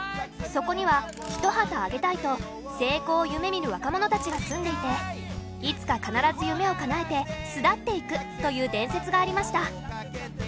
そこには一旗揚げたいと成功を夢見る若者たちが住んでいていつか必ず夢をかなえて巣立っていくという伝説がありました。